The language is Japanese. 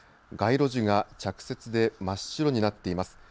街路樹が着雪で真っ白になっています。